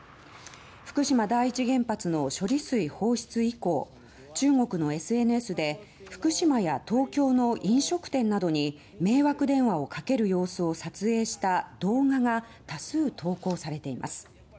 福島第一原発の処理水放出以降中国のＳＮＳで福島や東京の飲食店などに迷惑電話をかける様子を撮影した動画が多数投稿されています。